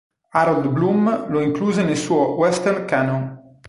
Harold Bloom lo incluse nel suo "Western Canon".